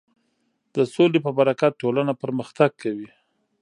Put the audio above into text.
د سولې په برکت ټولنه پرمختګ کوي.